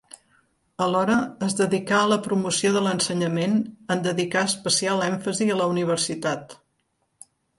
Alhora es dedicà a la promoció de l'ensenyament en dedicar especial èmfasi a la universitat.